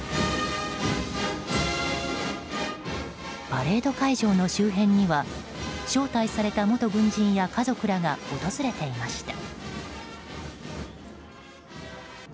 パレード会場の周辺には招待された元軍人や家族らが訪れていました。